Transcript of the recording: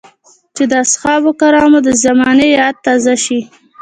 چې د اصحابو کرامو د زمانې ياد تازه شي.